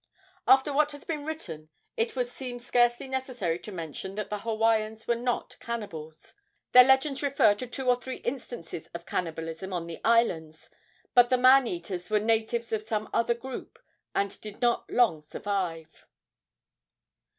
After what has been written it would seem scarcely necessary to mention that the Hawaiians were not cannibals. Their legends refer to two or three instances of cannibalism on the islands, but the man eaters were natives of some other group and did not long survive.